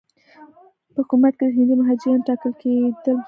په حکومت کې د هندي مهاجرینو ټاکل کېدل مخالف وو.